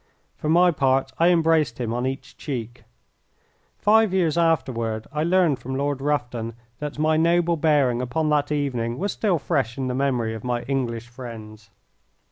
For my part I embraced him on each cheek. Five years afterward I learned from Lord Rufton that my noble bearing upon that evening was still fresh in the memory of my English friends.